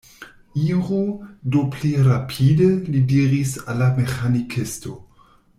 Iru do pli rapide, li diris al la meĥanikisto.